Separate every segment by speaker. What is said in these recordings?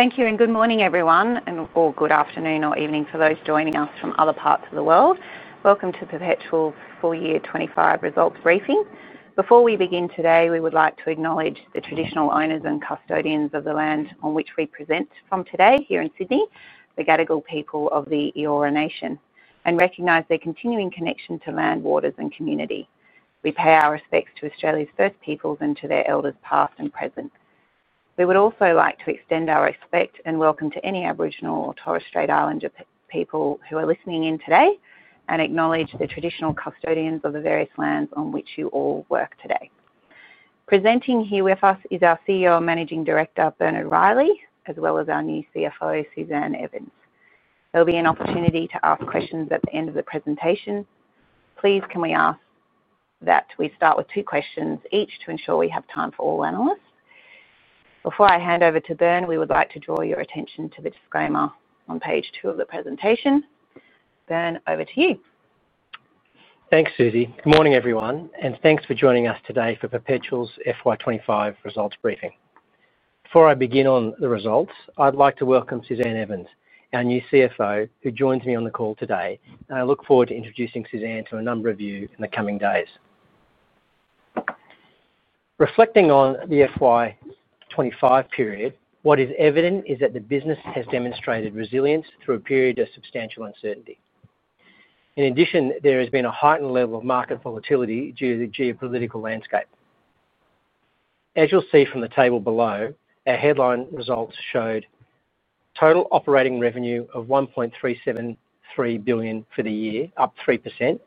Speaker 1: Thank you and good morning everyone, and or good afternoon or evening for those joining us from other parts of the world. Welcome to Perpetual's full year 2025 results briefing. Before we begin today, we would like to acknowledge the traditional owners and custodians of the land on which we present from today here in Sydney, the Gadigal people of the Eora Nation, and recognize their continuing connection to land, waters, and community. We pay our respects to Australia's First Peoples and to their elders past and present. We would also like to extend our respect and welcome to any Aboriginal or Torres Strait Islander people who are listening in today and acknowledge the traditional custodians of the various lands on which you all work today. Presenting here with us is our CEO and Managing Director, Bernard Reilly, as well as our new CFO, Suzanne Evans. There'll be an opportunity to ask questions at the end of the presentation. Please, can we ask that we start with two questions each to ensure we have time for all analysts? Before I hand over to Ben, we would like to draw your attention to the disclaimer on page two of the presentation. Ben, over to you.
Speaker 2: Thanks, Susie. Good morning everyone, and thanks for joining us today for Perpetual's FY25 results briefing. Before I begin on the results, I'd like to welcome Suzanne Evans, our new CFO, who joins me on the call today, and I look forward to introducing Suzanne to a number of you in the coming days. Reflecting on the FY25 period, what is evident is that the business has demonstrated resilience through a period of substantial uncertainty. In addition, there has been a heightened level of market volatility due to the geopolitical landscape. As you'll see from the table below, our headline results showed total operating revenue of $1.373 billion for the year, up 3%.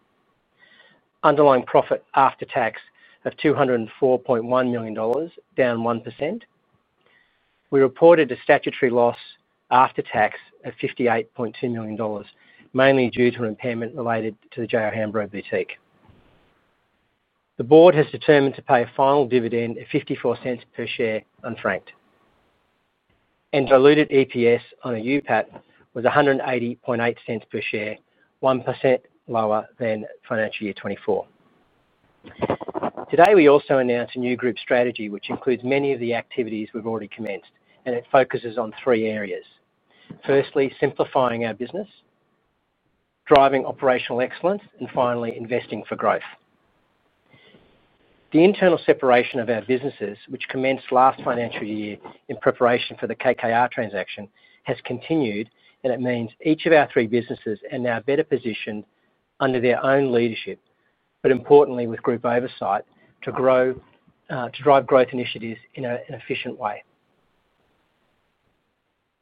Speaker 2: Underlying profit after tax of $204.1 million, down 1%. We reported a statutory loss after tax of $58.2 million, mainly due to an impairment related to the J.O. Hambro Boutique. The board has determined to pay a final dividend of $0.54 per share unfranked. Diluted EPS on a UPAT was $1.808 per share, 1% lower than financial year 2024. Today, we also announced a new group strategy, which includes many of the activities we've already commenced, and it focuses on three areas. Firstly, simplifying our business, driving operational excellence, and finally, investing for growth. The internal separation of our businesses, which commenced last financial year in preparation for the KKR transaction, has continued, and it means each of our three businesses are now better positioned under their own leadership, but importantly, with group oversight to grow, to drive growth initiatives in an efficient way.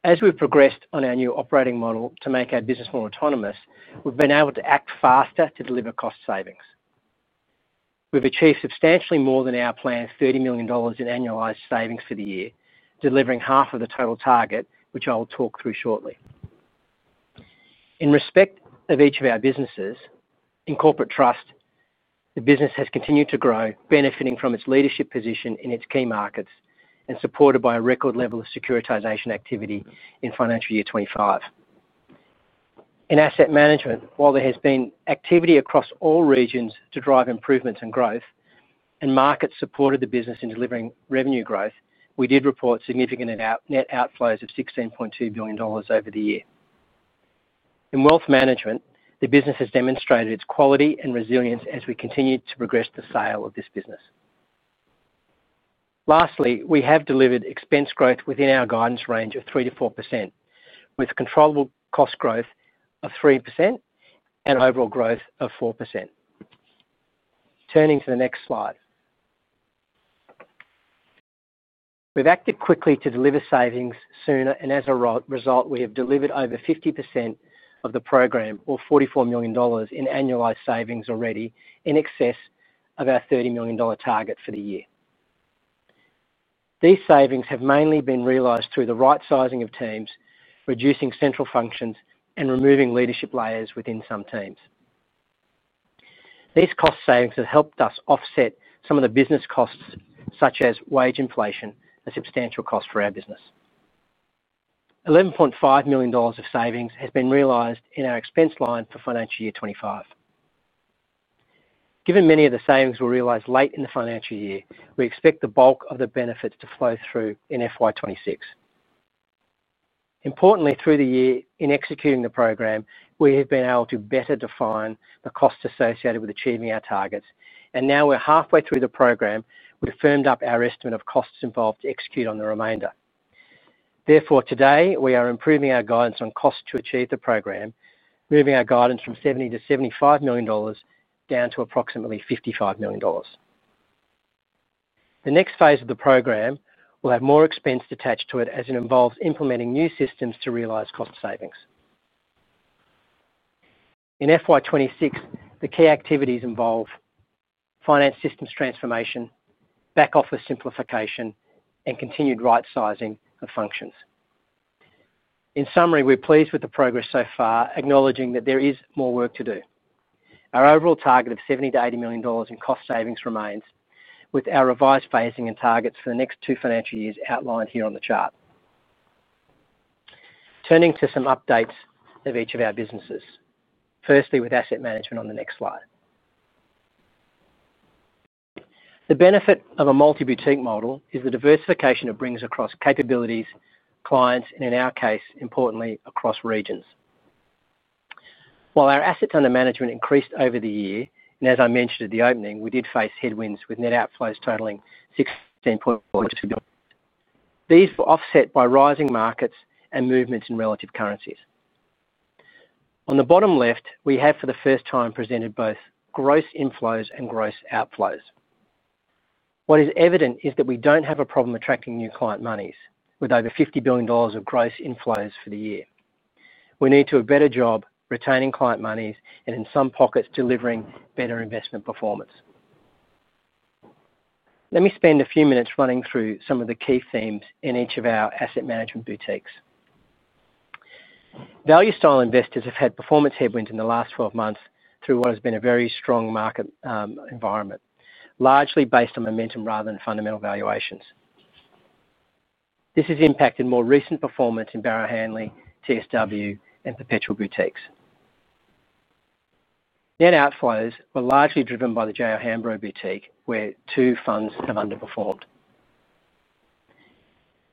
Speaker 2: As we've progressed on our new operating model to make our business more autonomous, we've been able to act faster to deliver cost savings. We've achieved substantially more than our planned $30 million in annualized savings for the year, delivering half of the total target, which I will talk through shortly. In respect of each of our businesses, in Corporate Trust, the business has continued to grow, benefiting from its leadership position in its key markets and supported by a record level of securitization activity in financial year 2025. In Asset Management, while there has been activity across all regions to drive improvements and growth, and markets supported the business in delivering revenue growth, we did report significant net outflows of $16.2 billion over the year. In wealth management, the business has demonstrated its quality and resilience as we continue to progress the sale of this business. Lastly, we have delivered expense growth within our guidance range of 3%-4%, with controllable cost growth of 3% and overall growth of 4%. Turning to the next slide. We've acted quickly to deliver savings sooner, and as a result, we have delivered over 50% of the program, or $44 million in annualized savings already, in excess of our $30 million target for the year. These savings have mainly been realized through the right sizing of teams, reducing central functions, and removing leadership layers within some teams. These cost savings have helped us offset some of the business costs, such as wage inflation, a substantial cost for our business. $11.5 million of savings has been realized in our expense line for financial year 2025. Given many of the savings we'll realize late in the financial year, we expect the bulk of the benefits to flow through in FY26. Importantly, through the year in executing the program, we have been able to better define the costs associated with achieving our targets, and now we're halfway through the program. We've firmed up our estimate of costs involved to execute on the remainder. Therefore, today we are improving our guidance on costs to achieve the program, moving our guidance from $70-$75 million down to approximately $55 million. The next phase of the program will have more expense attached to it, as it involves implementing new systems to realize cost savings. In FY26, the key activities involve finance systems transformation, back-office simplification, and continued right sizing of functions. In summary, we're pleased with the progress so far, acknowledging that there is more work to do. Our overall target of $70-$80 million in cost savings remains, with our revised phasing and targets for the next two financial years outlined here on the chart. Turning to some updates of each of our businesses. Firstly, with asset management on the next slide. The benefit of a multi-boutique model is the diversification it brings across capabilities, clients, and in our case, importantly, across regions. While our assets under management increased over the year, and as I mentioned at the opening, we did face headwinds with net outflows totaling $16.4 billion. These were offset by rising markets and movements in relative currencies. On the bottom left, we have for the first time presented both gross inflows and gross outflows. What is evident is that we don't have a problem attracting new client monies, with over $50 billion of gross inflows for the year. We need to do a better job retaining client monies and, in some pockets, delivering better investment performance. Let me spend a few minutes running through some of the key themes in each of our asset management boutiques. Value style investors have had performance headwinds in the last 12 months through what has been a very strong market environment, largely based on momentum rather than fundamental valuations. This has impacted more recent performance in Barrow Hanley, TSW, and Perpetual boutiques. Net outflows were largely driven by the J.O. Hambro boutique, where two funds have underperformed.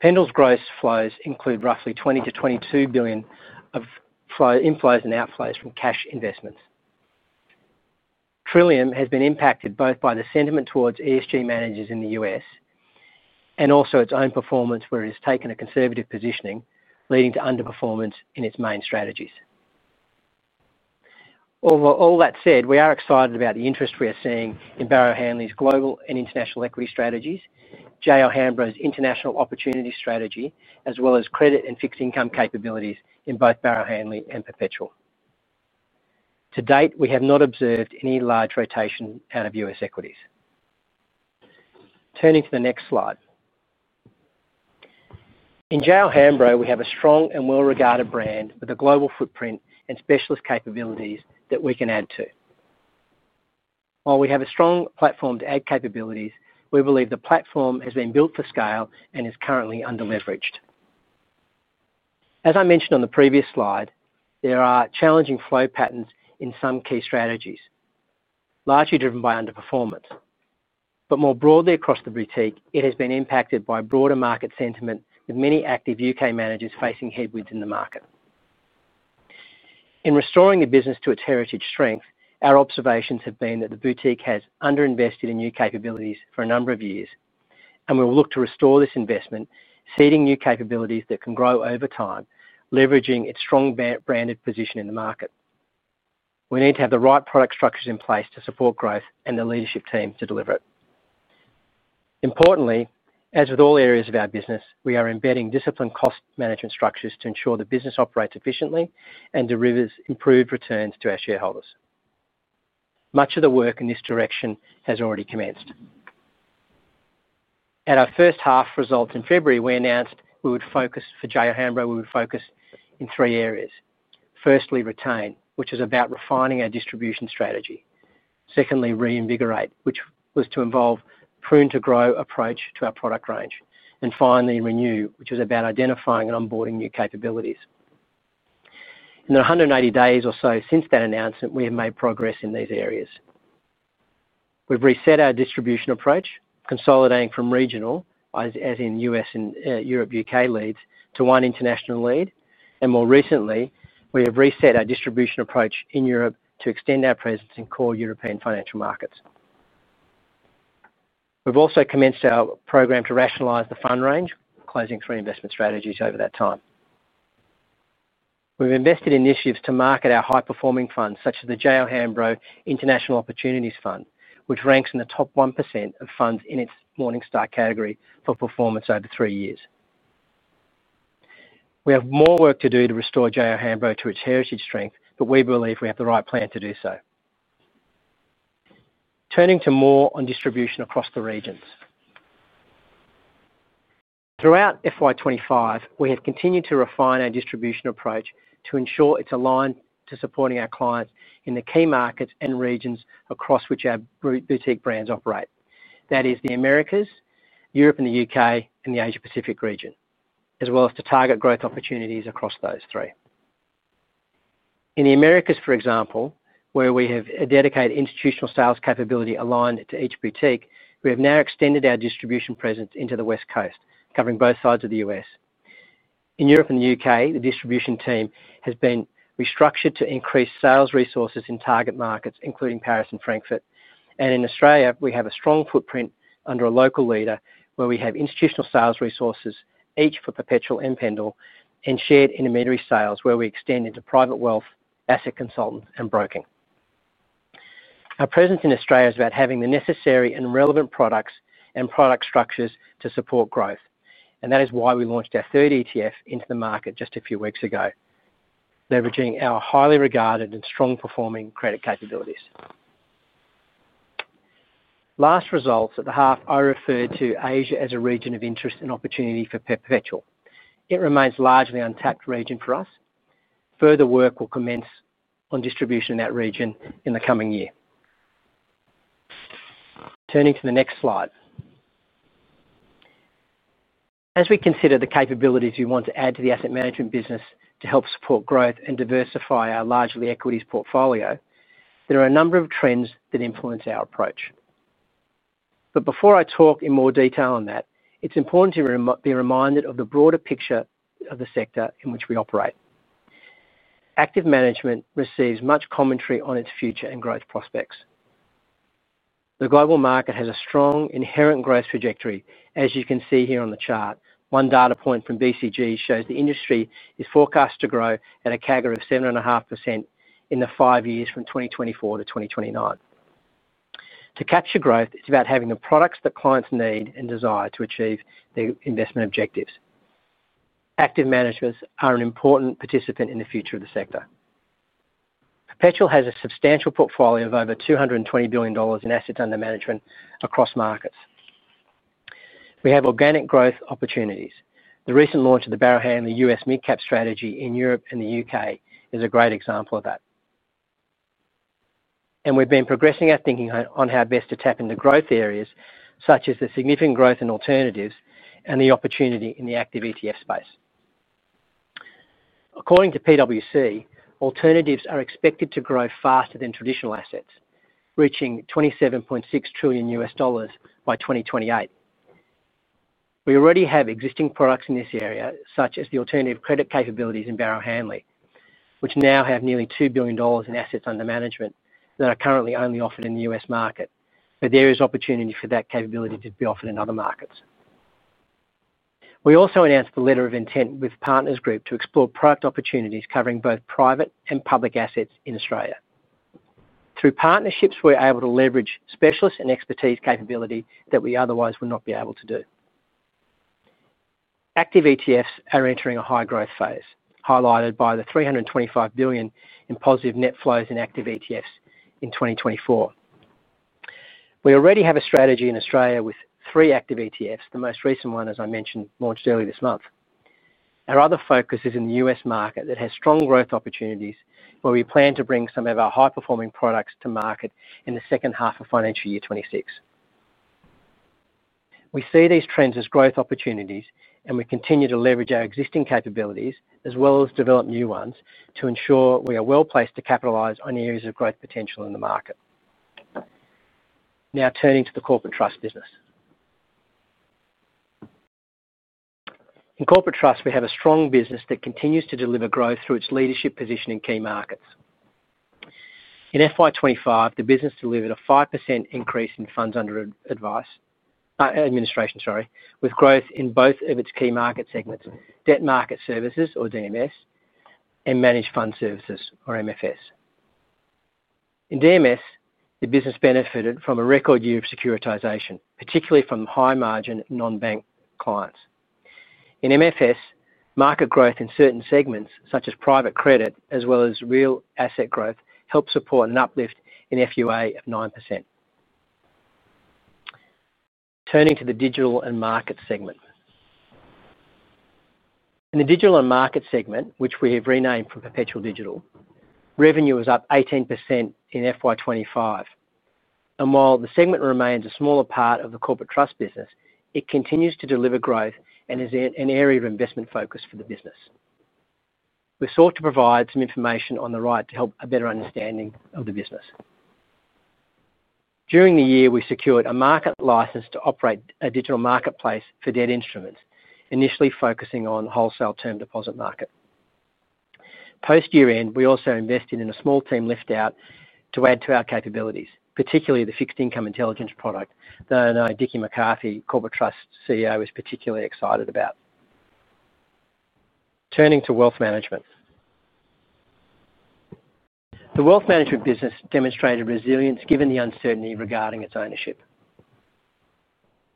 Speaker 2: Pendal's gross flows include roughly $20-$22 billion of inflows and outflows from cash investments. Trillium has been impacted both by the sentiment towards ESG managers in the U.S. and also its own performance, where it has taken a conservative positioning, leading to underperformance in its main strategies. All that said, we are excited about the interest we are seeing in Barrow Hanley's global and international equity strategies, J.O. Hambro's international opportunity strategy, as well as credit and fixed income capabilities in both Barrow Hanley and Perpetual. To date, we have not observed any large rotation out of U.S. equities. Turning to the next slide. In J.O. Hambro, we have a strong and well-regarded brand with a global footprint and specialist capabilities that we can add to. While we have a strong platform to add capabilities, we believe the platform has been built for scale and is currently underleveraged. As I mentioned on the previous slide, there are challenging flow patterns in some key strategies, largely driven by underperformance. More broadly across the boutique, it has been impacted by broader market sentiment, with many active U.K. managers facing headwinds in the market. In restoring the business to its heritage strength, our observations have been that the boutique has underinvested in new capabilities for a number of years, and we will look to restore this investment, seeding new capabilities that can grow over time, leveraging its strong branded position in the market. We need to have the right product structures in place to support growth and the leadership team to deliver it. Importantly, as with all areas of our business, we are embedding disciplined cost management structures to ensure the business operates efficiently and delivers improved returns to our shareholders. Much of the work in this direction has already commenced. At our first half results in February, we announced we would focus for J.O. Hambro Capital Management, we would focus in three areas. Firstly, retain, which is about refining our distribution strategy. Secondly, reinvigorate, which was to involve a prune-to-grow approach to our product range. Finally, renew, which was about identifying and onboarding new capabilities. In the 180 days or so since that announcement, we have made progress in these areas. We've reset our distribution approach, consolidating from regional, as in U.S. and Europe/UK leads, to one international lead. More recently, we have reset our distribution approach in Europe to extend our presence in core European financial markets. We've also commenced our program to rationalize the fund range, closing three investment strategies over that time. We've invested in initiatives to market our high-performing funds, such as the J.O. Hambro International Opportunities Fund, which ranks in the top 1% of funds in its Morningstar category for performance over three years. We have more work to do to restore J.O. Hambro to its heritage strength, but we believe we have the right plan to do so. Turning to more on distribution across the regions. Throughout FY25, we have continued to refine our distribution approach to ensure it's aligned to supporting our clients in the key markets and regions across which our boutique brands operate. That is the Americas, Europe and the UK, and the Asia Pacific region, as well as to target growth opportunities across those three. In the Americas, for example, where we have a dedicated institutional sales capability aligned to each boutique, we have now extended our distribution presence into the West Coast, covering both sides of the U.S. In Europe and the UK, the distribution team has been restructured to increase sales resources in target markets, including Paris and Frankfurt. In Australia, we have a strong footprint under a local leader, where we have institutional sales resources, each for Perpetual and Pendal, and shared intermediary sales, where we extend into private wealth, asset consultant, and broking. Our presence in Australia is about having the necessary and relevant products and product structures to support growth. That is why we launched our third ETF into the market just a few weeks ago, leveraging our highly regarded and strong-performing credit capabilities. Last results at the half, I referred to Asia as a region of interest and opportunity for Perpetual. It remains a largely untapped region for us. Further work will commence on distribution in that region in the coming year. Turning to the next slide. As we consider the capabilities we want to add to the asset management business to help support growth and diversify our largely equities portfolio, there are a number of trends that influence our approach. Before I talk in more detail on that, it's important to be reminded of the broader picture of the sector in which we operate. Active management receives much commentary on its future and growth prospects. The global market has a strong inherent growth trajectory, as you can see here on the chart. One data point from BCG shows the industry is forecast to grow at a CAGR of 7.5% in the five years from 2024-2029. To capture growth, it's about having the products that clients need and desire to achieve their investment objectives. Active managers are an important participant in the future of the sector. Perpetual has a substantial portfolio of over $220 billion in assets under management across markets. We have organic growth opportunities. The recent launch of the Barrow Handley US mid-cap strategy in Europe and the UK is a great example of that. We've been progressing our thinking on how best to tap into growth areas, such as the significant growth in alternatives and the opportunity in the active ETF space. According to PwC, alternatives are expected to grow faster than traditional assets, reaching $27.6 trillion US dollars by 2028. We already have existing products in this area, such as the alternative credit capabilities in Barrow Handley, which now have nearly $2 billion in assets under management that are currently only offered in the US market, but there is opportunity for that capability to be offered in other markets. We also announced the letter of intent with Partners Group to explore product opportunities covering both private and public assets in Australia. Through partnerships, we're able to leverage specialist and expertise capability that we otherwise would not be able to do. Active ETFs are entering a high growth phase, highlighted by the $325 billion in positive net flows in active ETFs in 2024. We already have a strategy in Australia with three active ETFs. The most recent one, as I mentioned, launched earlier this month. Our other focus is in the U.S. market that has strong growth opportunities, where we plan to bring some of our high-performing products to market in the second half of financial year 2026. We see these trends as growth opportunities, and we continue to leverage our existing capabilities, as well as develop new ones, to ensure we are well placed to capitalize on years of growth potential in the market. Now turning to the Corporate Trust business. In Corporate Trust, we have a strong business that continues to deliver growth through its leadership position in key markets. In FY25, the business delivered a 5% increase in funds under administration, with growth in both of its key market segments, Debt Market Services, or DMS, and Managed Fund Services, or MFS. In DMS, the business benefited from a record year of securitization, particularly from high-margin non-bank clients. In MFS, market growth in certain segments, such as private credit, as well as real asset growth, helped support an uplift in FUA of 9%. Turning to the Digital and Market segment. In the Digital and Market segment, which we have renamed from Perpetual Digital, revenue was up 18% in FY25. While the segment remains a smaller part of the Corporate Trust business, it continues to deliver growth and is an area of investment focus for the business. We sought to provide some information on the right to help a better understanding of the business. During the year, we secured a market license to operate a digital marketplace for debt instruments, initially focusing on the wholesale term deposit market. Post-year end, we also invested in a small team lift-out to add to our capabilities, particularly the fixed income intelligence product that I know Dickie McCarthy, Corporate Trust CEO, is particularly excited about. Turning to Wealth Management. The Wealth Management business demonstrated resilience given the uncertainty regarding its ownership.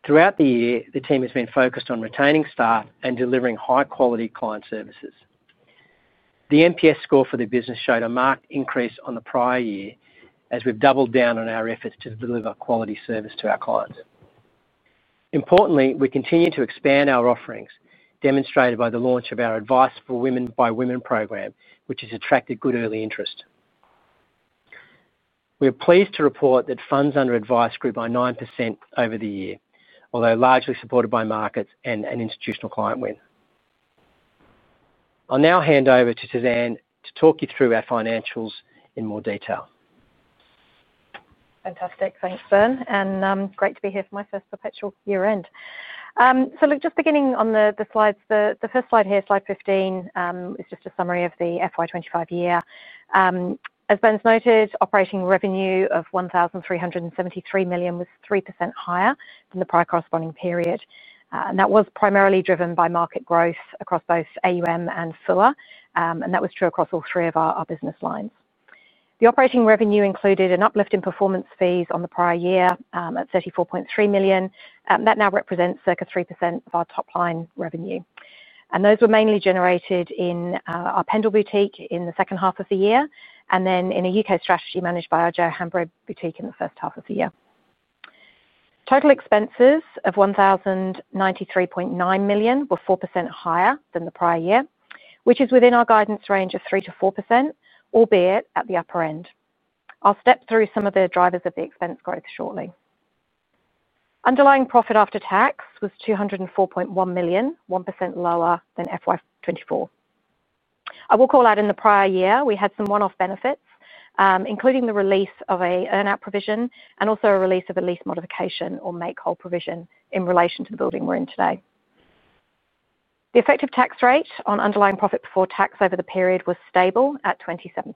Speaker 2: Throughout the year, the team has been focused on retaining staff and delivering high-quality client services. The NPS score for the business showed a marked increase on the prior year, as we've doubled down on our efforts to deliver quality service to our clients. Importantly, we continue to expand our offerings, demonstrated by the launch of our Advice for Women by Women program, which has attracted good early interest. We are pleased to report that funds under advice grew by 9% over the year, although largely supported by markets and an institutional client win. I'll now hand over to Suzanne to talk you through our financials in more detail.
Speaker 3: Fantastic. Thanks, Ben. Great to be here for my first Perpetual year-end. Just beginning on the slides, the first slide here, slide 15, is just a summary of the FY25 year. As Ben's noted, operating revenue of $1,373 million was 3% higher than the prior corresponding period. That was primarily driven by market growth across both AUM and SUA, and that was true across all three of our business lines. The operating revenue included an uplift in performance fees on the prior year at $34.3 million. That now represents circa 3% of our top-line revenue. Those were mainly generated in our Pendal boutique in the second half of the year, and then in a UK strategy managed by our J.O. Hambro Capital Management boutique in the first half of the year. Total expenses of $1,093.9 million were 4% higher than the prior year, which is within our guidance range of 3%-4%, albeit at the upper end. I'll step through some of the drivers of the expense growth shortly. Underlying profit after tax was $204.1 million, 1% lower than FY24. I will call out in the prior year, we had some one-off benefits, including the release of an earnout provision and also a release of a lease modification or make-good provision in relation to the building we're in today. The effective tax rate on underlying profit before tax over the period was stable at 27%.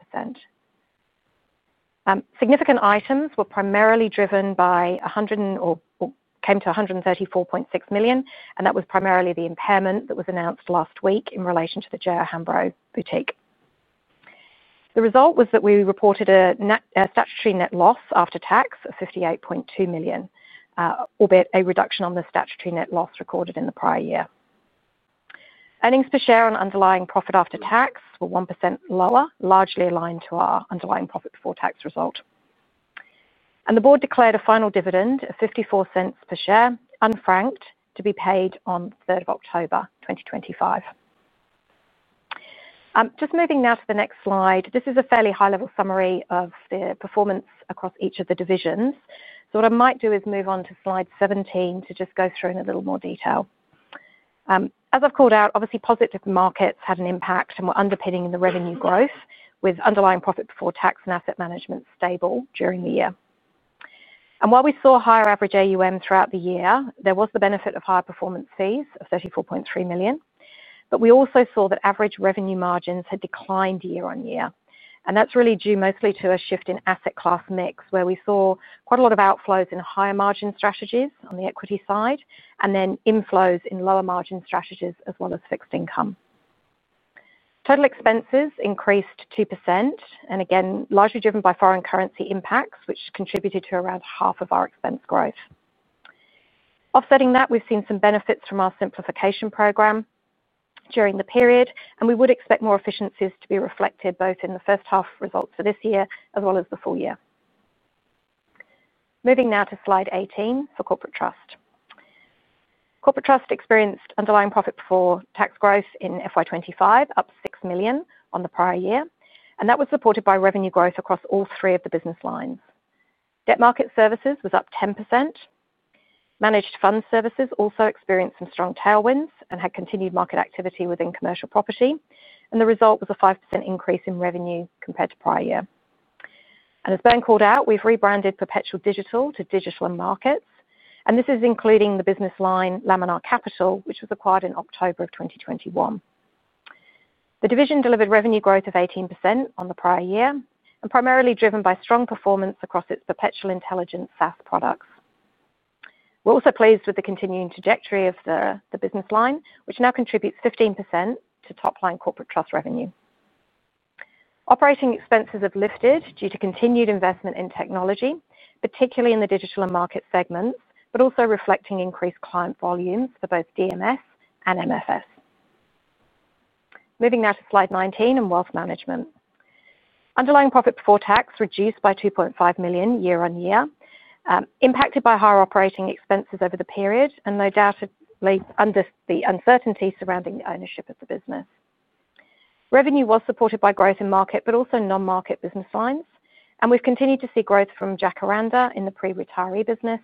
Speaker 3: Significant items were primarily driven by, or came to, $134.6 million, and that was primarily the impairment that was announced last week in relation to the J.O. Hambro Capital Management boutique. The result was that we reported a statutory net loss after tax of $58.2 million, albeit a reduction on the statutory net loss recorded in the prior year. Earnings per share on underlying profit after tax were 1% lower, largely aligned to our underlying profit before tax result. The board declared a final dividend of $0.54 per share, unfranked, to be paid on the 3rd of October 2025. Moving now to the next slide, this is a fairly high-level summary of the performance across each of the divisions. What I might do is move on to slide 17 to just go through in a little more detail. As I've called out, positive markets had an impact and were underpinning the revenue growth, with underlying profit before tax and asset management stable during the year. While we saw higher average AUM throughout the year, there was the benefit of higher performance fees of $34.3 million. We also saw that average revenue margins had declined year on year. That's really due mostly to a shift in asset class mix, where we saw quite a lot of outflows in higher margin strategies on the equity side, and then inflows in lower margin strategies as well as fixed income. Total expenses increased 2%, largely driven by foreign currency impacts, which contributed to around half of our expense growth. Offsetting that, we've seen some benefits from our simplification program during the period, and we would expect more efficiencies to be reflected both in the first half results for this year, as well as the full year. Moving now to slide 18 for Corporate Trust. Corporate Trust experienced underlying profit before tax growth in FY25, up $6 million on the prior year, and that was supported by revenue growth across all three of the business lines. Debt Market Services was up 10%. Managed Fund Services also experienced some strong tailwinds and had continued market activity within commercial property, and the result was a 5% increase in revenue compared to prior year. As Ben called out, we've rebranded Perpetual Digital to Digital and Markets, and this is including the business line Laminar Capital, which was acquired in October of 2021. The division delivered revenue growth of 18% on the prior year, primarily driven by strong performance across its Perpetual Intelligence SaaS products. We're also pleased with the continuing trajectory of the business line, which now contributes 15% to top-line Corporate Trust revenue. Operating expenses have lifted due to continued investment in technology, particularly in the Digital and Market segments, but also reflecting increased client volumes for both DMS and MFS. Moving now to slide 19 and Wealth Management. Underlying profit before tax reduced by $2.5 million year on year, impacted by higher operating expenses over the period, and undoubtedly under the uncertainty surrounding the ownership of the business. Revenue was supported by growth in market, but also non-market business lines, and we've continued to see growth from Jacaranda in the pre-retiree business,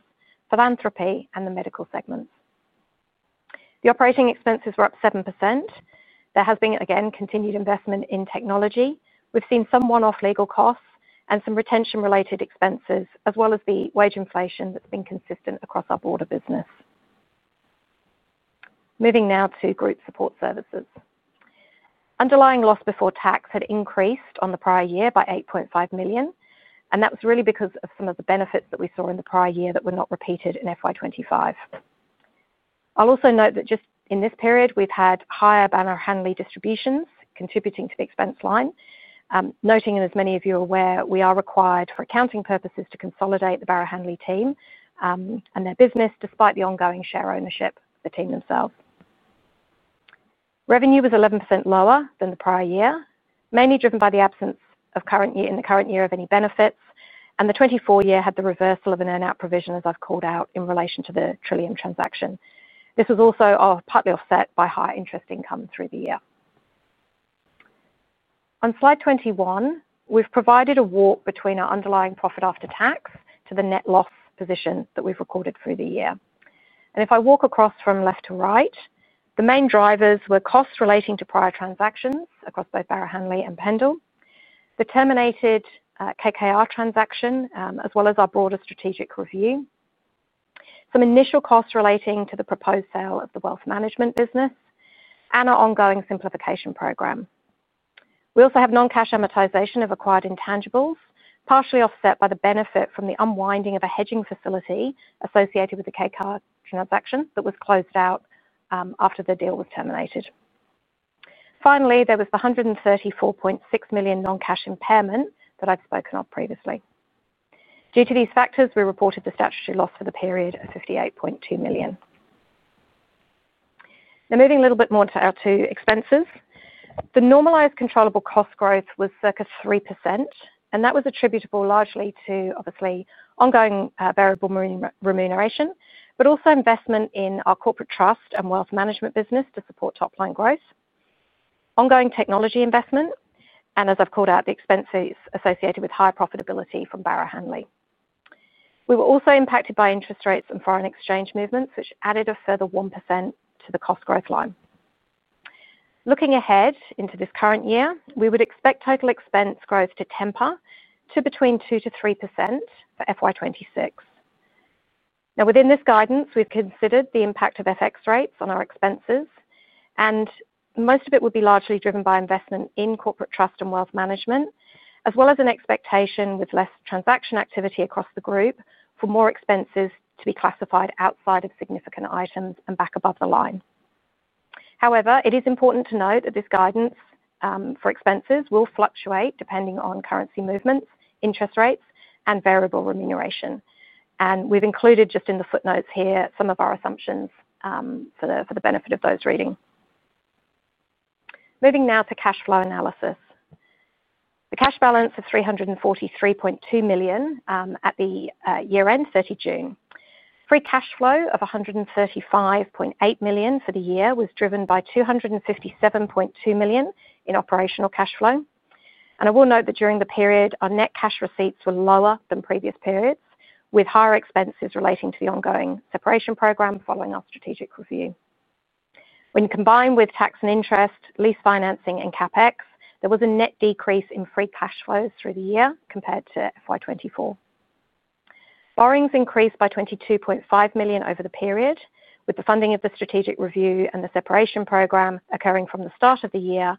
Speaker 3: philanthropy, and the medical segments. The operating expenses were up 7%. There has been, again, continued investment in technology. We've seen some one-off legal costs and some retention-related expenses, as well as the wage inflation that's been consistent across our broader business. Moving now to Group Support Services. Underlying loss before tax had increased on the prior year by $8.5 million, and that was really because of some of the benefits that we saw in the prior year that were not repeated in FY25. I'll also note that just in this period, we've had higher Barrow Handley distributions contributing to the expense line, noting that, as many of you are aware, we are required for accounting purposes to consolidate the Barrow Handley team and their business, despite the ongoing share ownership of the team themselves. Revenue was 11% lower than the prior year, mainly driven by the absence in the current year of any benefits, and the 2024 year had the reversal of an earnout provision, as I've called out, in relation to the Trillium transaction. This was also partly offset by high interest income through the year. On slide 21, we've provided a walk between our underlying profit after tax to the net loss position that we've recorded through the year. If I walk across from left to right, the main drivers were costs relating to prior transactions across both Barrow Handley and Pendal, the terminated KKR transaction, as well as our broader strategic review, some initial costs relating to the proposed sale of the wealth management business, and our ongoing simplification program. We also have non-cash amortization of acquired intangibles, partially offset by the benefit from the unwinding of a hedging facility associated with the KKR transaction that was closed out after the deal was terminated. Finally, there was the $134.6 million non-cash impairment that I've spoken of previously. Due to these factors, we reported the statutory loss for the period of $58.2 million. Now, moving a little bit more to our two expenses, the normalized controllable cost growth was circa 3%, and that was attributable largely to, obviously, ongoing variable remuneration, but also investment in our Corporate Trust and Wealth Management business to support top-line growth, ongoing technology investment, and as I've called out, the expenses associated with higher profitability from Barrow Handley. We were also impacted by interest rates and foreign exchange movements, which added a further 1% to the cost growth line. Looking ahead into this current year, we would expect total expense growth to temper to between 2%-3% for FY26. Now, within this guidance, we've considered the impact of FX rates on our expenses, and most of it would be largely driven by investment in Corporate Trust and Wealth Management, as well as an expectation with less transaction activity across the group for more expenses to be classified outside of significant items and back above the line. However, it is important to note that this guidance for expenses will fluctuate depending on currency movements, interest rates, and variable remuneration. We've included just in the footnotes here some of our assumptions for the benefit of those reading. Moving now to cash flow analysis. The cash balance is $343.2 million at the year-end, 30 June. Free cash flow of $135.8 million for the year was driven by $257.2 million in operational cash flow. I will note that during the period, our net cash receipts were lower than previous periods, with higher expenses relating to the ongoing operation program following our strategic review. When you combine with tax and interest, lease financing, and CapEx, there was a net decrease in free cash flows through the year compared to FY24. Borrowings increased by $22.5 million over the period, with the funding of the strategic review and the separation program occurring from the start of the year,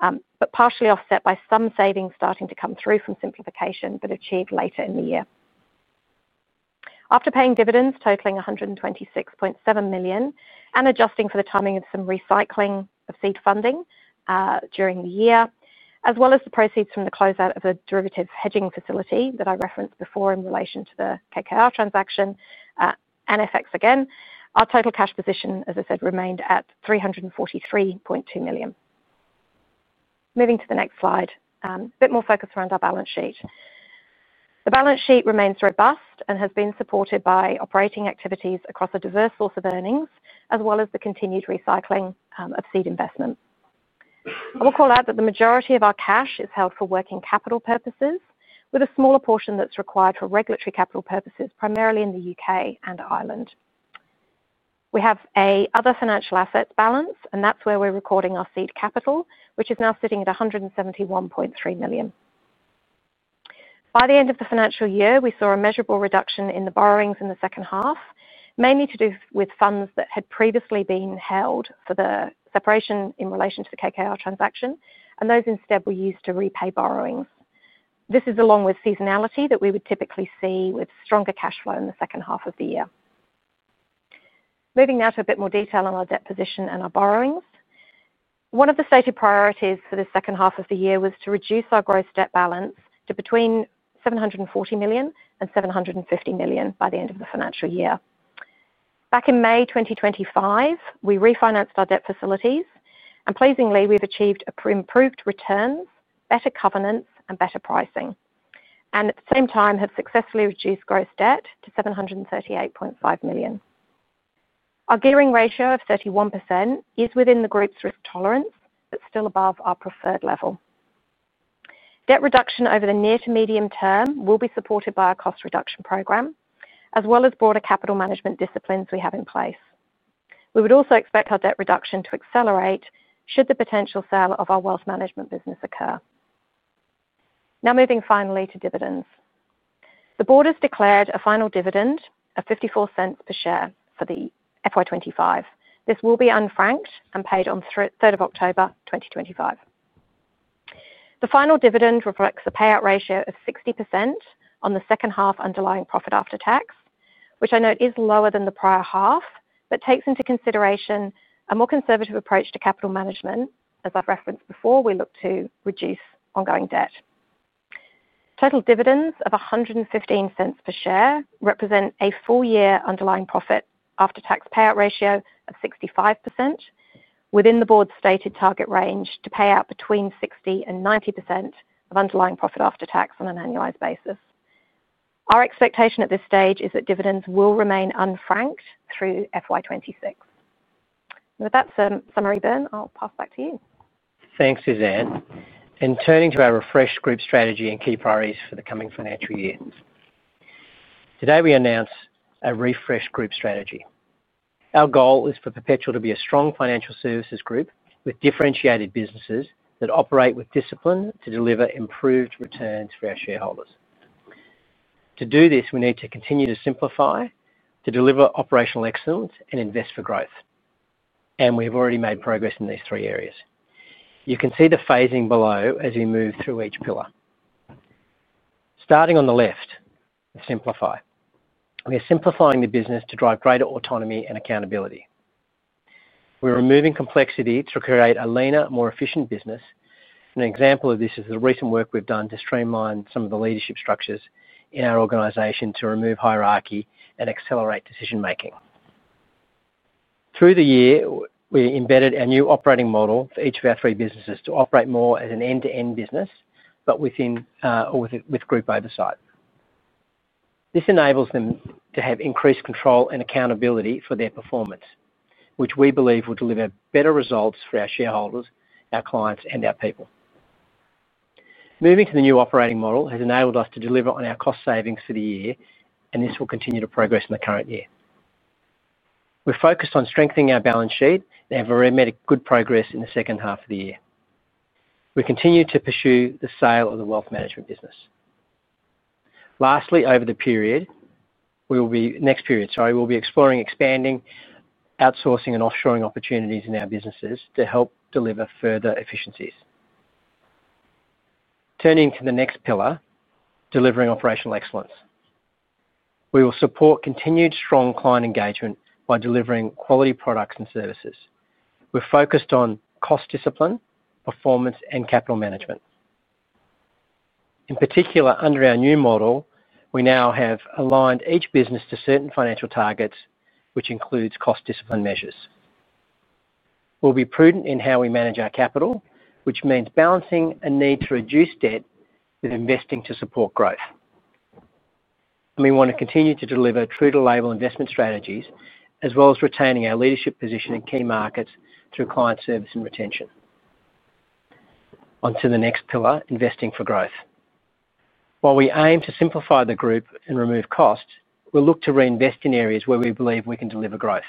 Speaker 3: but partially offset by some savings starting to come through from simplification but achieved later in the year. After paying dividends totaling $126.7 million and adjusting for the timing of some recycling of seed funding during the year, as well as the proceeds from the closeout of the derivatives hedging facility that I referenced before in relation to the KKR transaction and FX again, our total cash position, as I said, remained at $343.2 million. Moving to the next slide, a bit more focus around our balance sheet. The balance sheet remains robust and has been supported by operating activities across a diverse source of earnings, as well as the continued recycling of seed investment. I will call out that the majority of our cash is held for working capital purposes, with a smaller portion that's required for regulatory capital purposes, primarily in the UK and Ireland. We have another financial assets balance, and that's where we're recording our seed capital, which is now sitting at $171.3 million. By the end of the financial year, we saw a measurable reduction in the borrowings in the second half, mainly to do with funds that had previously been held for the separation in relation to the KKR transaction, and those instead were used to repay borrowings. This is along with seasonality that we would typically see with stronger cash flow in the second half of the year. Moving now to a bit more detail on our debt position and our borrowings. One of the stated priorities for the second half of the year was to reduce our gross debt balance to between $740 million and $750 million by the end of the financial year. Back in May 2025, we refinanced our debt facilities, and, pleasingly, we've achieved improved returns, better covenants, and better pricing. At the same time, have successfully reduced gross debt to $738.5 million. Our gearing ratio of 31% is within the group's risk tolerance, but still above our preferred level. Debt reduction over the near to medium term will be supported by our cost reduction program, as well as broader capital management disciplines we have in place. We would also expect our debt reduction to accelerate should the potential sale of our wealth management business occur. Now, moving finally to dividends. The board has declared a final dividend of $0.54 per share for the FY25. This will be unfranked and paid on the 3rd of October 2025. The final dividend reflects a payout ratio of 60% on the second half underlying profit after tax, which I note is lower than the prior half, but takes into consideration a more conservative approach to capital management. As I've referenced before, we look to reduce ongoing debt. Total dividends of $1.15 per share represent a full year underlying profit after tax payout ratio of 65%, within the board's stated target range to pay out between 60% and 90% of underlying profit after tax on an annualized basis. Our expectation at this stage is that dividends will remain unfranked through FY26. With that summary, Ben, I'll pass back to you.
Speaker 2: Thanks, Suzanne. Turning to our refreshed group strategy and key priorities for the coming financial year. Today, we announce a refreshed group strategy. Our goal is for Perpetual to be a strong financial services group with differentiated businesses that operate with discipline to deliver improved returns for our shareholders. To do this, we need to continue to simplify, to deliver operational excellence, and invest for growth. We have already made progress in these three areas. You can see the phasing below as we move through each pillar. Starting on the left, we simplify. We are simplifying the business to drive greater autonomy and accountability. We're removing complexity to create a leaner, more efficient business. An example of this is the recent work we've done to streamline some of the leadership structures in our organization to remove hierarchy and accelerate decision-making. Through the year, we embedded a new operating model for each of our three businesses to operate more as an end-to-end business, but with group oversight. This enables them to have increased control and accountability for their performance, which we believe will deliver better results for our shareholders, our clients, and our people. Moving to the new operating model has enabled us to deliver on our cost savings for the year, and this will continue to progress in the current year. We're focused on strengthening our balance sheet, and we've already made good progress in the second half of the year. We continue to pursue the sale of the wealth management business. Over the period, we will be exploring expanding, outsourcing, and offshoring opportunities in our businesses to help deliver further efficiencies. Turning to the next pillar, delivering operational excellence. We will support continued strong client engagement by delivering quality products and services. We're focused on cost discipline, performance, and capital management. In particular, under our new model, we now have aligned each business to certain financial targets, which includes cost discipline measures. We'll be prudent in how we manage our capital, which means balancing a need to reduce debt with investing to support growth. We want to continue to deliver true-to-label investment strategies, as well as retaining our leadership position in key markets through client service and retention. Onto the next pillar, investing for growth. While we aim to simplify the group and remove costs, we'll look to reinvest in areas where we believe we can deliver growth.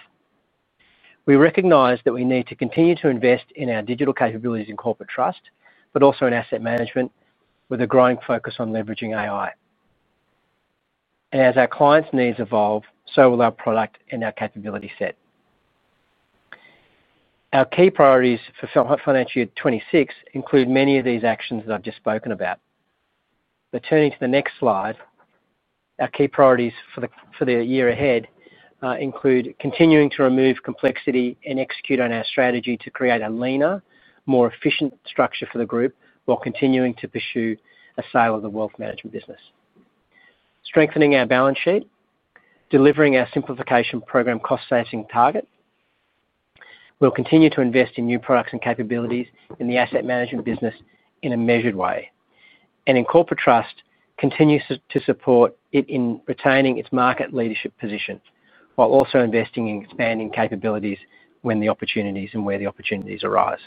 Speaker 2: We recognize that we need to continue to invest in our digital capabilities in Corporate Trust, but also in Asset Management, with a growing focus on leveraging AI. As our clients' needs evolve, so will our product and our capability set. Our key priorities for financial year 2026 include many of these actions that I've just spoken about. Turning to the next slide, our key priorities for the year ahead include continuing to remove complexity and execute on our strategy to create a leaner, more efficient structure for the group, while continuing to pursue a sale of the Wealth Management business. Strengthening our balance sheet, delivering our simplification program cost-saving target. We'll continue to invest in new products and capabilities in the Asset Management business in a measured way. In Corporate Trust, continue to support it in retaining its market leadership position, while also investing in expanding capabilities when the opportunities and where the opportunities arise.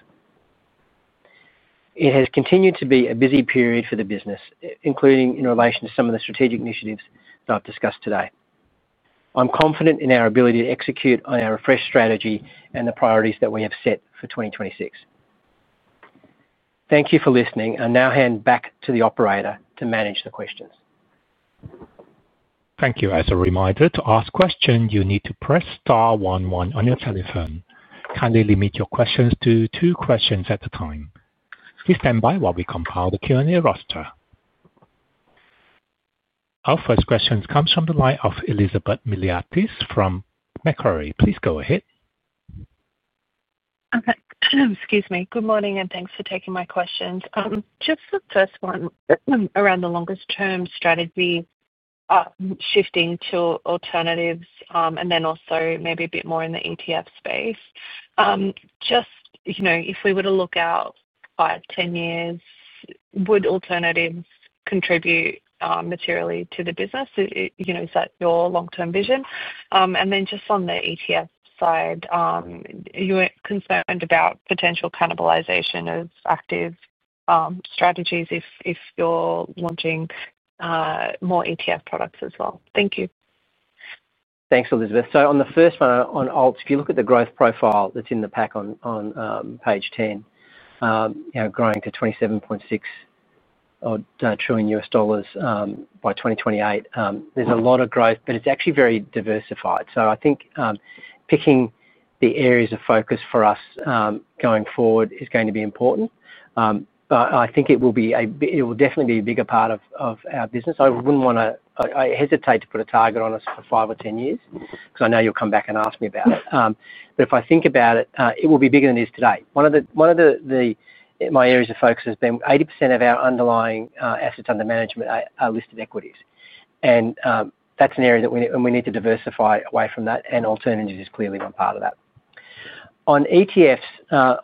Speaker 2: It has continued to be a busy period for the business, including in relation to some of the strategic initiatives that I've discussed today. I'm confident in our ability to execute on our refreshed strategy and the priorities that we have set for 2026. Thank you for listening. I'll now hand back to the operator to manage the questions.
Speaker 4: Thank you. As a reminder, to ask questions, you need to press star one-one on your telephone. Kindly limit your questions to two questions at a time. Please stand by while we compile the Q&A roster. Our first question comes from the line of Elizabeth Miliatis from Macquarie. Please go ahead.
Speaker 5: Excuse me. Good morning and thanks for taking my questions. Just the first one around the longest-term strategy, shifting to alternatives, and then also maybe a bit more in the ETF space. If we were to look out five, ten years, would alternatives contribute materially to the business? Is that your long-term vision? On the ETF side, you weren't concerned about potential cannibalization of active strategies if you're launching more ETF products as well. Thank you.
Speaker 2: Thanks, Elizabeth. On the first one, on alts, if you look at the growth profile that's in the pack on page 10, how growing to $27.6 trillion U.S. dollars by 2028, there's a lot of growth, but it's actually very diversified. I think picking the areas of focus for us going forward is going to be important. I think it will definitely be a bigger part of our business. I wouldn't want to, I hesitate to put a target on us for five or ten years because I know you'll come back and ask me about it. If I think about it, it will be bigger than it is today. One of my areas of focus has been 80% of our underlying assets under management are listed equities. That's an area that we need to diversify away from, and alternatives is clearly not part of that. On ETFs,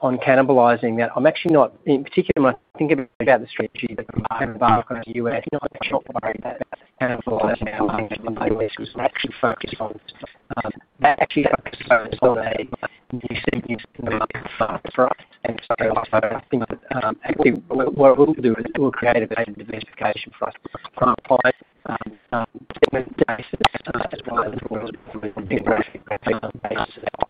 Speaker 2: on cannibalizing that, I'm actually not, in particular, I think about the strategy, but I have a bar on the U.S. not a short priority that cannibalizing our long-term values, we're actually focused on that, so it's not a new segment we're looking for. Sorry, I'll start it off. What we'll do is we'll create a data diversification for us from a private segment. It's just as a guide for people to actually get to that.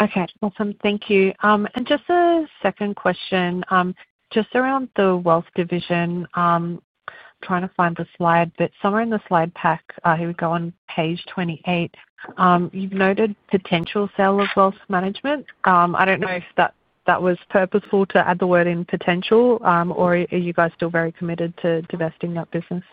Speaker 5: Okay. Awesome. Thank you. Just a second question, just around the wealth division, I'm trying to find the slide, but somewhere in the slide pack, here we go on page 28, you've noted potential sale of wealth management. I don't know if that was purposeful to add the word in potential, or are you guys still very committed to divesting that business?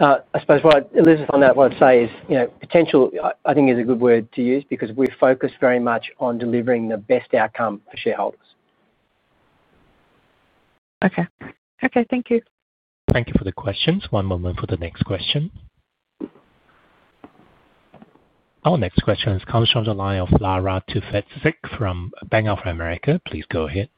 Speaker 2: I suppose on that, what I'd say is, you know, potential, I think, is a good word to use because we're focused very much on delivering the best outcome for shareholders.
Speaker 5: Okay. Thank you.
Speaker 4: Thank you for the questions. One moment for the next question. Our next question comes from the line of Lara Tufegdzic from Bank of America. Please go ahead.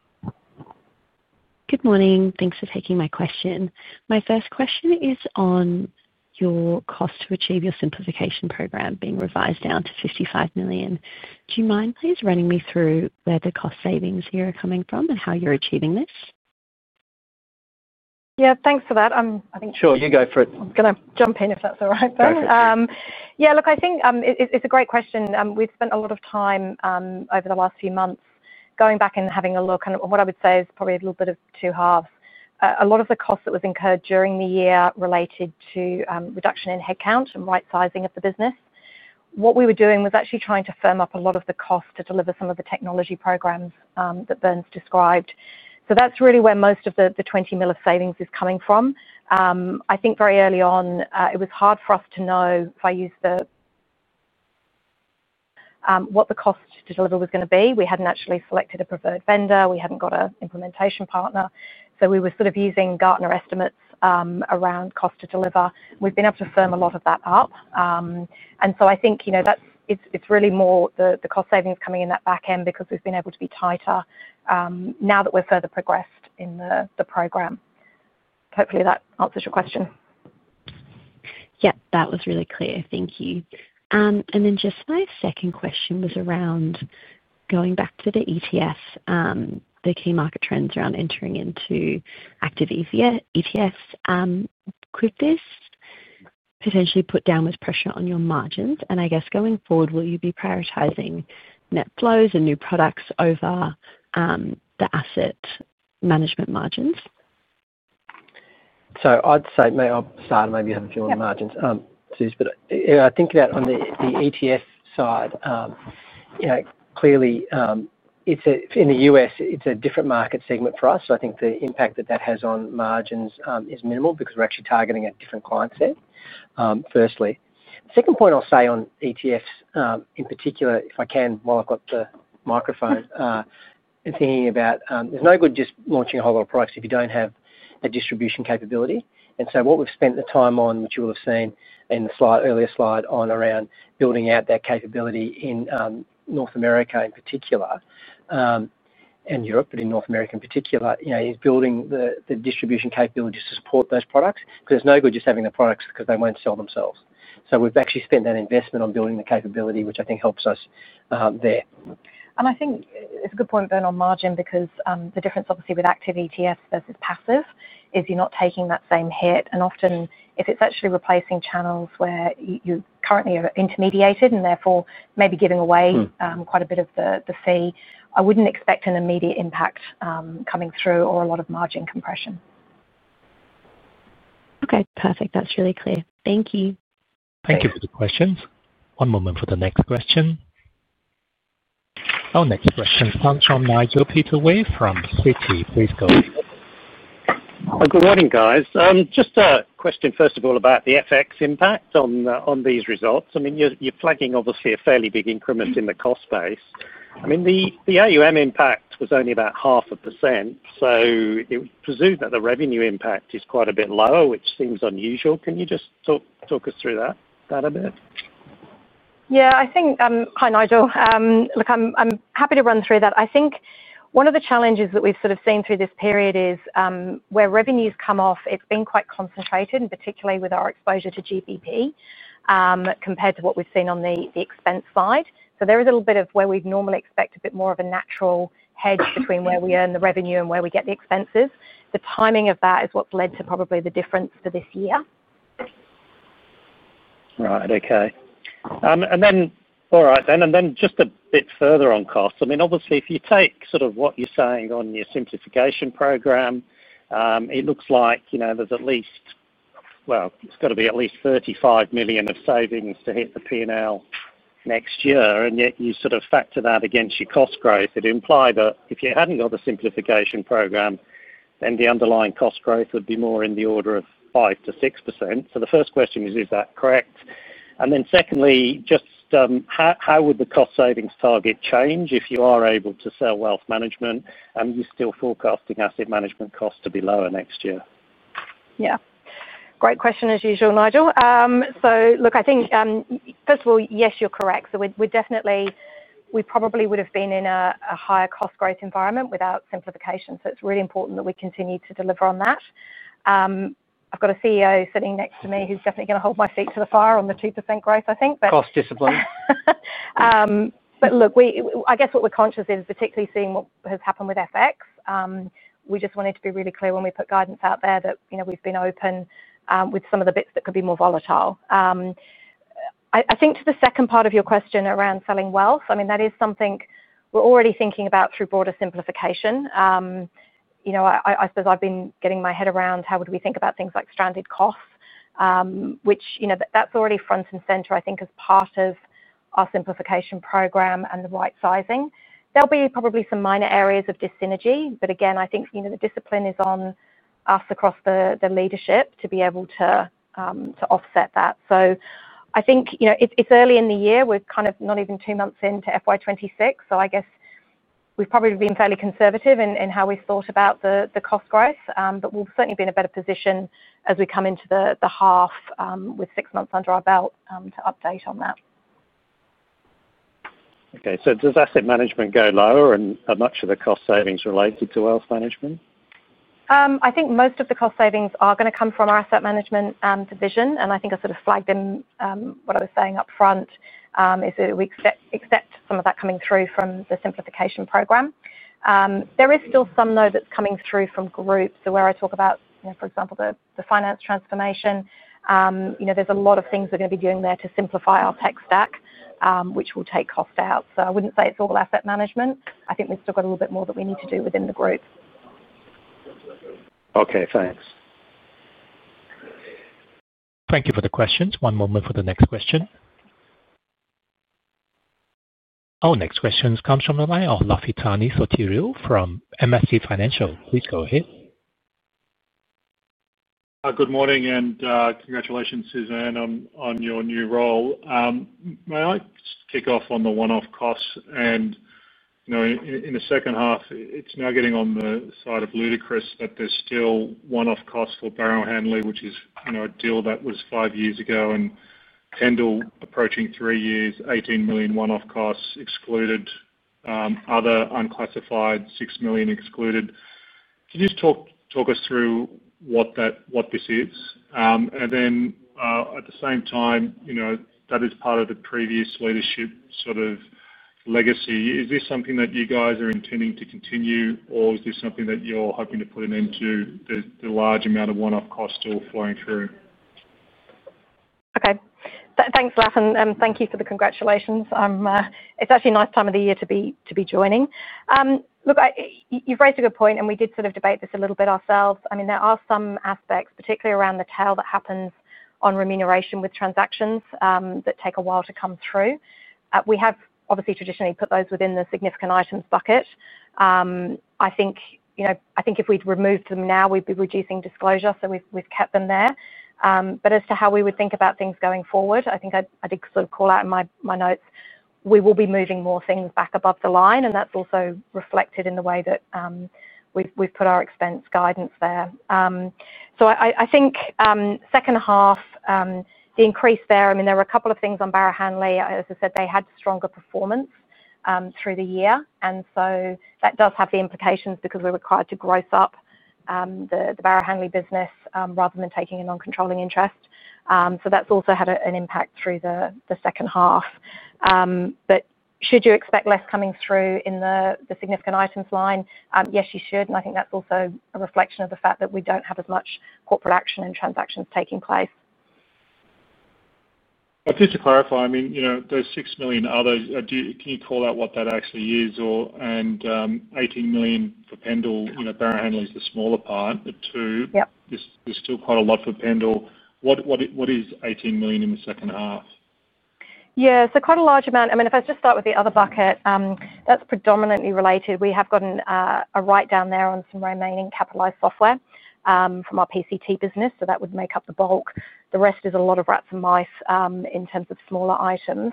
Speaker 6: Good morning. Thanks for taking my question. My first question is on your cost to achieve your simplification program being revised down to $55 million. Do you mind, please, running me through where the cost savings here are coming from and how you're achieving this?
Speaker 3: Thanks for that. I think.
Speaker 2: Sure, you go for it.
Speaker 3: I'm going to jump in if that's all right, Ben. Yeah, look, I think it's a great question. We've spent a lot of time over the last few months going back and having a look, and what I would say is probably a little bit of two halves. A lot of the cost that was incurred during the year related to reduction in headcount and right sizing of the business. What we were doing was actually trying to firm up a lot of the cost to deliver some of the technology programs that Ben's described. That's really where most of the $20 million of savings is coming from. I think very early on, it was hard for us to know, if I use the what the cost to deliver was going to be. We hadn't actually selected a preferred vendor. We hadn't got an implementation partner. We were sort of using Gartner estimates around cost to deliver. We've been able to firm a lot of that up. I think it's really more the cost savings coming in that back end because we've been able to be tighter now that we've further progressed in the program. Hopefully, that answers your question.
Speaker 6: That was really clear. Thank you. Just my second question was around going back to the ETFs, the key market trends around entering into active ETFs. Could this potentially put downward pressure on your margins? I guess going forward, will you be prioritizing net flows and new products over the asset management margins?
Speaker 2: I'd say, maybe I'll start and maybe you have a few on the margins, Suse. I think about on the ETF side, you know, clearly, it's in the U.S., it's a different market segment for us. I think the impact that that has on margins is minimal because we're actually targeting a different client set, firstly. The second point I'll say on ETFs, in particular, if I can, while I've got the microphone, I'm thinking about there's no good just launching a whole lot of products if you don't have a distribution capability. What we've spent the time on, which you will have seen in the earlier slide on around building out that capability in North America in particular and Europe, but in North America in particular, you know, is building the distribution capabilities to support those products because it's no good just having the products because they won't sell themselves. We've actually spent that investment on building the capability, which I think helps us there.
Speaker 3: I think it's a good point, Ben, on margin because the difference, obviously, with active ETFs versus passive is you're not taking that same hit. Often, if it's actually replacing channels where you currently are intermediated and therefore maybe giving away quite a bit of the fee, I wouldn't expect an immediate impact coming through or a lot of margin compression.
Speaker 6: Okay, perfect. That's really clear. Thank you.
Speaker 4: Thank you for the questions. One moment for the next question. Our next question comes from Nigel Pittaway from Citi. Please go ahead.
Speaker 7: Good morning, guys. Just a question, first of all, about the FX impact on these results. I mean, you're flagging, obviously, a fairly big increment in the cost base. I mean, the AUM impact was only about 0.5%. You would presume that the revenue impact is quite a bit lower, which seems unusual. Can you just talk us through that a bit?
Speaker 3: Yeah, I think, hi Nigel. Look, I'm happy to run through that. I think one of the challenges that we've seen through this period is where revenues come off, it's been quite concentrated, and particularly with our exposure to GPP compared to what we've seen on the expense side. There is a little bit of where we'd normally expect a bit more of a natural hedge between where we earn the revenue and where we get the expenses. The timing of that is what led to probably the difference for this year.
Speaker 7: Okay. Just a bit further on costs. If you take what you're saying on your simplification program, it looks like there's at least $35 million of savings to hit the P&L next year. If you factor that against your cost growth, it implies that if you hadn't got a simplification program, then the underlying cost growth would be more in the order of 5%-6%. The first question is, is that correct? Secondly, how would the cost savings target change if you are able to sell wealth management? Are you still forecasting asset management costs to be lower next year?
Speaker 3: Great question, as usual, Nigel. I think, first of all, yes, you're correct. We definitely, we probably would have been in a higher cost growth environment without simplification. It's really important that we continue to deliver on that. I've got a CEO sitting next to me who's definitely going to hold my feet to the fire on the 2% growth, I think.
Speaker 2: Cost discipline.
Speaker 3: Look, I guess what we're conscious of is particularly seeing what has happened with FX. We just wanted to be really clear when we put guidance out there that we've been open with some of the bits that could be more volatile. I think to the second part of your question around selling wealth, I mean, that is something we're already thinking about through broader simplification. I suppose I've been getting my head around how would we think about things like stranded costs, which you know that's already front and center, I think, as part of our simplification program and the right sizing. There'll be probably some minor areas of dyssynergy, but again, I think the discipline is on us across the leadership to be able to offset that. I think it's early in the year. We're kind of not even two months into FY2026. I guess we've probably been fairly conservative in how we've thought about the cost growth, but we'll certainly be in a better position as we come into the half with six months under our belt to update on that.
Speaker 7: Does asset management go lower, and are much of the cost savings related to wealth management?
Speaker 3: I think most of the cost savings are going to come from our asset management division. I sort of flagged them when I was saying up front, that we accept some of that coming through from the simplification program. There is still some, though, that's coming through from group. Where I talk about, for example, the finance transformation, there's a lot of things we're going to be doing there to simplify our tech stack, which will take cost out. I wouldn't say it's all asset management. I think we've still got a little bit more that we need to do within the group.
Speaker 7: Okay, thanks.
Speaker 4: Thank you for the questions. One moment for the next question. Our next question comes from the line of Lafitani Sotiriou from MST Financial. Please go ahead.
Speaker 8: Good morning and congratulations, Suzanne, on your new role. May I kick off on the one-off costs? You know in the second half, it's now getting on the side of ludicrous that there's still one-off costs for Barrow Handley, which is a deal that was five years ago, and Pendal approaching three years, $18 million one-off costs excluded, other unclassified $6 million excluded. Can you just talk us through what this is? At the same time, you know that is part of the previous leadership sort of legacy. Is this something that you guys are intending to continue, or is this something that you're hoping to put an end to, the large amount of one-off costs still flowing through?
Speaker 3: Okay. Thanks, Lafitan. Thank you for the congratulations. It's actually a nice time of the year to be joining. Look, you've raised a good point, and we did debate this a little bit ourselves. I mean, there are some aspects, particularly around the tail that happens on remuneration with transactions that take a while to come through. We have obviously traditionally put those within the significant items bucket. I think if we'd removed them now, we'd be reducing disclosure. We've kept them there. As to how we would think about things going forward, I did call out in my notes, we will be moving more things back above the line, and that's also reflected in the way that we've put our expense guidance there. I think second half, the increase there, there were a couple of things on Barrow Handley. As I said, they had stronger performance through the year. That does have the implications because we're required to gross up the Barrow Handley business rather than taking a non-controlling interest. That's also had an impact through the second half. Should you expect less coming through in the significant items line? Yes, you should. I think that's also a reflection of the fact that we don't have as much corporate action and transactions taking place.
Speaker 8: Just to clarify, those $6 million others, can you call out what that actually is? The $18 million for Pendal, you know, Barrow Hanley is a smaller part. The two, there's still quite a lot for Pendal. What is $18 million in the second half?
Speaker 3: Yeah, quite a large amount. If I just start with the other bucket, that's predominantly related. We have got a write down there on some remaining capitalized software from our PCT business. That would make up the bulk. The rest is a lot of rats and mice in terms of smaller items.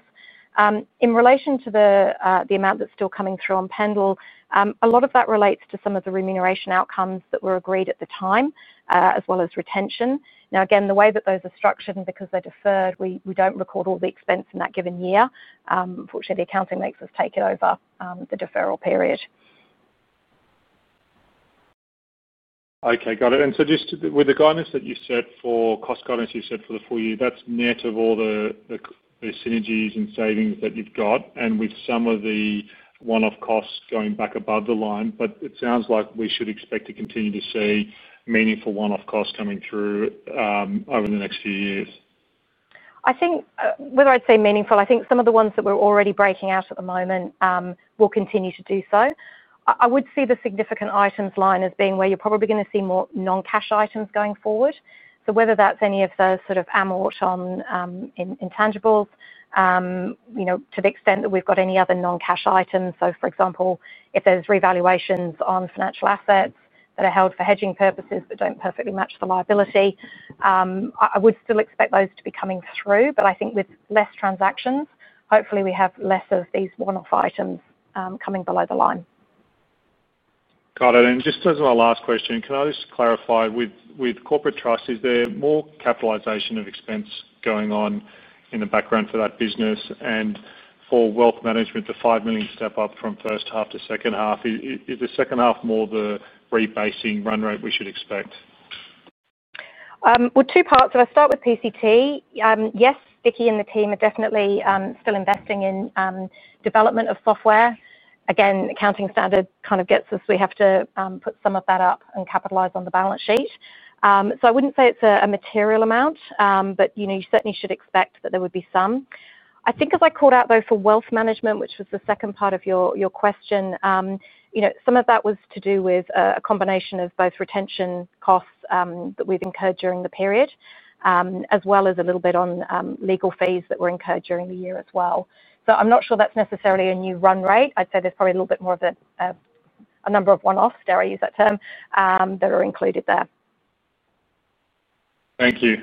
Speaker 3: In relation to the amount that's still coming through on Pendal, a lot of that relates to some of the remuneration outcomes that were agreed at the time, as well as retention. Now, again, the way that those are structured and because they're deferred, we don't record all the expense in that given year. Unfortunately, the accounting makes us take it over the deferral period.
Speaker 8: Okay, got it. With the guidance that you set for cost guidance you set for the full year, that's net of all the synergies and savings that you've got, and with some of the one-off costs going back above the line, it sounds like we should expect to continue to see meaningful one-off costs coming through over the next few years.
Speaker 3: I think whether I'd say meaningful, I think some of the ones that we're already breaking out at the moment will continue to do so. I would see the significant items line as being where you're probably going to see more non-cash items going forward. Whether that's any of the sort of amortized intangibles, to the extent that we've got any other non-cash items. For example, if there's revaluations on financial assets that are held for hedging purposes but don't perfectly match the liability, I would still expect those to be coming through. I think with less transactions, hopefully we have less of these one-off items coming below the line.
Speaker 8: Got it. Just as our last question, can I clarify with Corporate Trust, is there more capitalization of expense going on in the background for that business? For Wealth Management, the $5 million step up from first half to second half, is the second half more the rebasing run rate we should expect?
Speaker 3: If I start with PCT, yes, Vicky and the team are definitely still investing in development of software. Again, accounting standards kind of get us, we have to put some of that up and capitalize on the balance sheet. I wouldn't say it's a material amount, but you certainly should expect that there would be some. I think, as I called out, though, for wealth management, which was the second part of your question, some of that was to do with a combination of both retention costs that we've incurred during the period, as well as a little bit on legal fees that were incurred during the year as well. I'm not sure that's necessarily a new run rate. I'd say there's probably a little bit more of a number of one-offs, dare I use that term, that are included there.
Speaker 8: Thank you.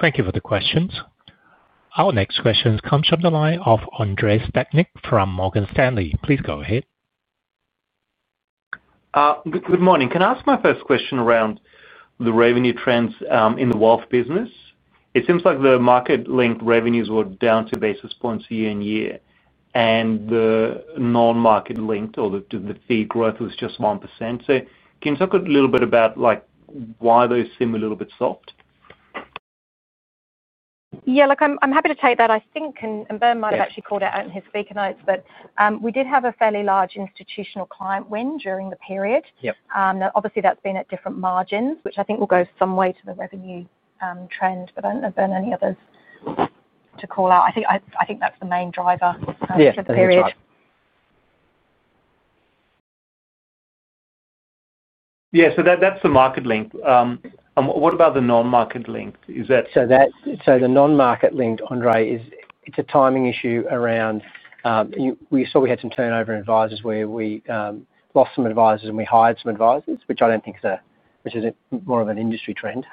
Speaker 4: Thank you for the questions. Our next question comes from the line of Andreas De Ryck from Morgan Stanley. Please go ahead.
Speaker 9: Good morning. Can I ask my first question around the revenue trends in the wealth business? It seems like the market-linked revenues were down two basis points year on year, and the non-market-linked or the fee growth was just 1%. Can you talk a little bit about why those seem a little bit soft?
Speaker 3: Yeah, look, I'm happy to tell you that. I think, and Ben might have actually called out in his speaker notes, we did have a fairly large institutional client win during the period. Obviously, that's been at different margins, which I think will go some way to the revenue trend, but I don't know if there are any others to call out. I think that's the main driver for the period.
Speaker 9: Yeah, that's the market link. What about the non-market linked?
Speaker 2: The non-market linked, Andre, it's a timing issue around we saw we had some turnover in advisors where we lost some advisors and we hired some advisors, which I don't think is a, which is more of an industry trend.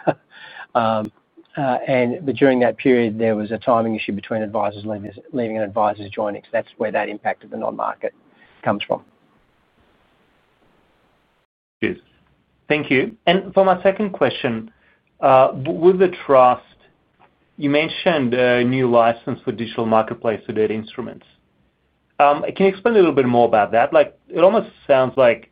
Speaker 2: During that period, there was a timing issue between advisors leaving and advisors joining. That's where that impact of the non-market comes from.
Speaker 9: Good. Thank you. For my second question, with the trust, you mentioned a new license for digital marketplace for debt instruments. Can you explain a little bit more about that? It almost sounds like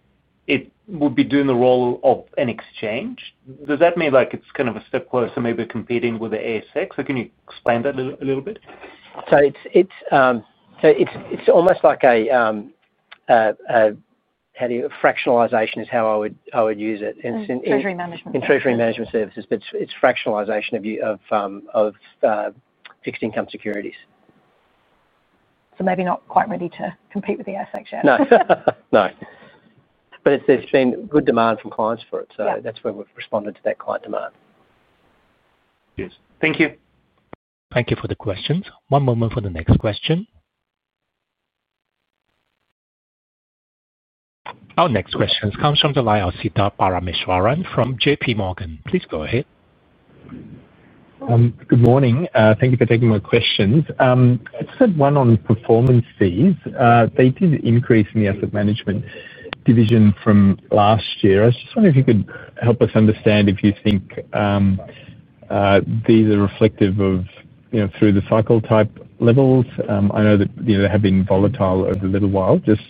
Speaker 9: it would be doing the role of an exchange. Does that mean it's kind of a step closer, maybe competing with the ASX? Can you explain that a little bit?
Speaker 2: It's almost like, how do you, fractionalization is how I would use it.
Speaker 3: Treasury management.
Speaker 2: In treasury management services, it's fractionalization of fixed income securities.
Speaker 3: Maybe not quite ready to compete with the ASX yet.
Speaker 2: There's been good demand from clients for it. That's when we've responded to that client demand.
Speaker 9: Good, thank you.
Speaker 4: Thank you for the questions. One moment for the next question. Our next question comes from the line of Siddharth Parameswaran from JPMorgan. Please go ahead.
Speaker 10: Good morning. Thank you for taking my questions. I just had one on performance fees. They did increase in the asset management division from last year. I was just wondering if you could help us understand if you think these are reflective of, you know, through the cycle type levels. I know that they have been volatile over a little while. Just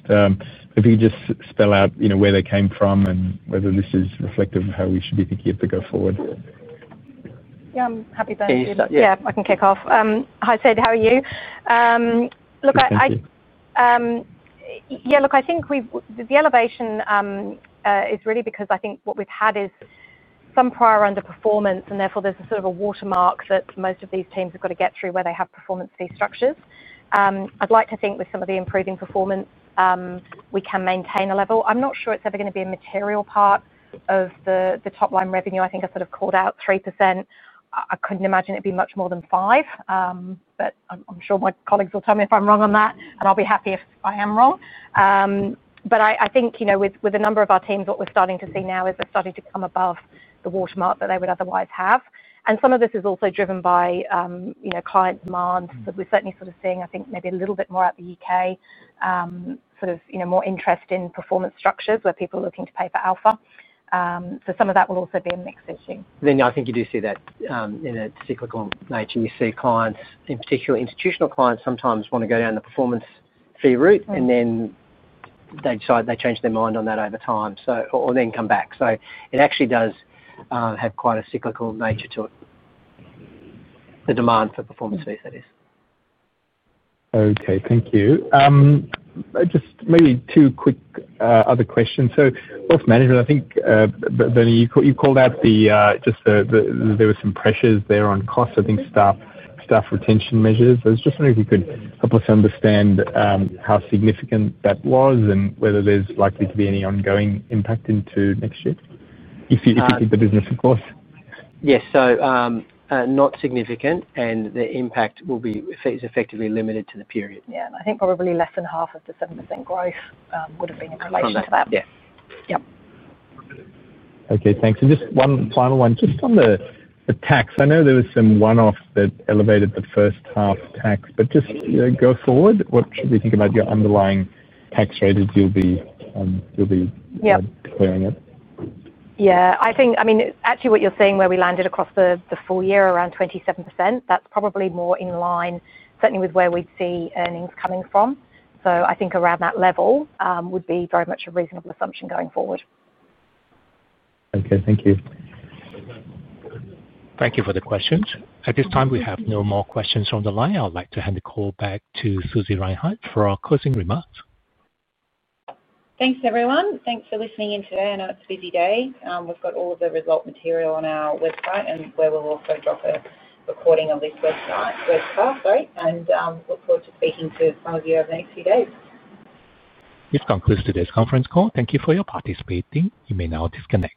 Speaker 10: if you could spell out where they came from and whether this is reflective of how we should be thinking of to go forward.
Speaker 3: Yeah, I'm happy to.
Speaker 2: Sure, that's fine.
Speaker 3: Yeah, I can kick off. Hi, Sidd. How are you?
Speaker 10: Good, thank you.
Speaker 3: Yeah, look, I think the elevation is really because I think what we've had is some prior underperformance, and therefore there's a sort of a watermark that most of these teams have got to get through where they have performance fee structures. I'd like to think with some of the improving performance, we can maintain a level. I'm not sure it's ever going to be a material part of the top-line revenue. I think I sort of called out 3%. I couldn't imagine it'd be much more than 5%, but I'm sure my colleagues will tell me if I'm wrong on that, and I'll be happy if I am wrong. I think, you know, with a number of our teams, what we're starting to see now is they're starting to come above the watermark that they would otherwise have. Some of this is also driven by, you know, client demand that we're certainly sort of seeing, I think, maybe a little bit more out of the UK, sort of, you know, more interest in performance structures where people are looking to pay for alpha. Some of that will also be a mix issue.
Speaker 2: I think you do see that in a cyclical nature. You see clients, in particular institutional clients, sometimes want to go down the performance fee route, and then they decide they change their mind on that over time, or then come back. It actually does have quite a cyclical nature to it, the demand for performance fees, that is.
Speaker 10: Okay, thank you. Maybe two quick other questions. Wealth management, I think, Benny, you called out there were some pressures there on costs. I think staff retention measures. I was just wondering if you could help us understand how significant that was and whether there's likely to be any ongoing impact into next year, if you keep the business, of course.
Speaker 2: Yes, not significant, and the impact will be effectively limited to the period.
Speaker 3: I think probably less than half of the 7% growth would have been in relation to that.
Speaker 10: Yeah.
Speaker 3: Yep.
Speaker 10: Okay, thanks. Just one final one, just on the tax. I know there were some one-offs that elevated the first half tax, but just, you know, go forward, what should we think about your underlying tax rate as you'll be declaring it?
Speaker 3: I think, actually what you're seeing where we landed across the full year around 27%, that's probably more in line, certainly with where we'd see earnings coming from. I think around that level would be very much a reasonable assumption going forward.
Speaker 10: Okay, thank you.
Speaker 4: Thank you for the questions. At this time, we have no more questions on the line. I'd like to hand the call back to Susie Reinhardt for our closing remarks.
Speaker 5: Thanks, everyone. Thanks for listening in today. I know it's a busy day. We've got all of the result material on our website, where we'll also drop a recording on this website, and look forward to speaking to all of you over the next few days.
Speaker 4: This concludes today's conference call. Thank you for your participation. You may now disconnect.